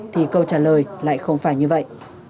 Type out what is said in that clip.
thì câu trả lời lại không phải như vậy